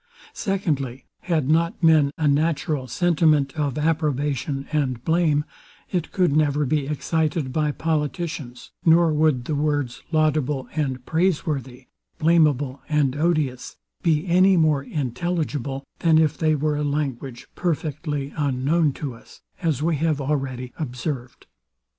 Secondly, had not men a natural sentiment of approbation and blame, it could never be excited by politicians; nor would the words laudable and praise worthy, blameable and odious be any more intelligible, than if they were a language perfectly known to us, as we have already observed.